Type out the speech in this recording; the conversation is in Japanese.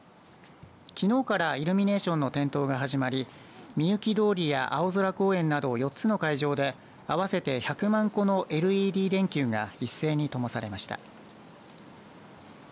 きのうからイルミネーションの点灯が始まり御幸通りや青空公園など４つの会場で合わせて１００万個のＬＥＤ電球が一斉にともされました。